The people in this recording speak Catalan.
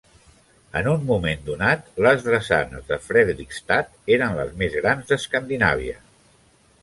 En un moment donat les drassanes de Fredrikstad eren les més grans d'Escandinàvia.